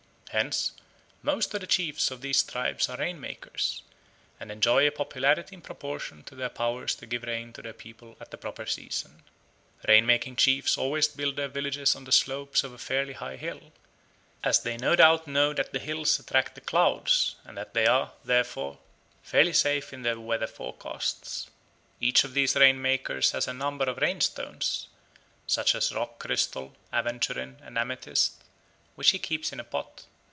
Hence "most of the chiefs of these tribes are rain makers, and enjoy a popularity in proportion to their powers to give rain to their people at the proper season. ... Rain making chiefs always build their villages on the slopes of a fairly high hill, as they no doubt know that the hills attract the clouds, and that they are, therefore, fairly safe in their weather forecasts." Each of these rain makers has a number of rain stones, such as rock crystal, aventurine, and amethyst, which he keeps in a pot.